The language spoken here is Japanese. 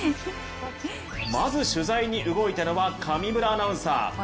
まず取材に動いたのは上村アナウンサー。